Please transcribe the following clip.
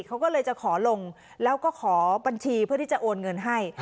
เขาก็เลยจะขอลงแล้วก็ขอบัญชีเพื่อที่จะโอนเงินให้